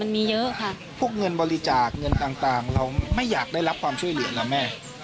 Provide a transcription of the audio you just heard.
เยอะค่ะพวกเงินบริจาคเงินต่างเราไม่อยากได้รับความช่วยเหลือนะแม่